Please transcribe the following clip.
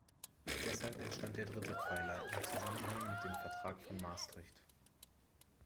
Deshalb entstand der dritte Pfeiler im Zusammenhang mit dem Vertrag von Maastricht.